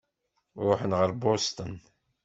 Ṛuḥen ɣer Boston.